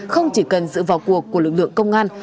không chỉ cần sự vào cuộc của lực lượng công an